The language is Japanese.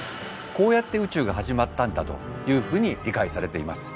こうやって宇宙が始まったんだというふうに理解されています。